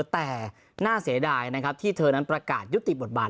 แต่น่าเสียดายที่เธอนั้นประกาศยุติปฎบาท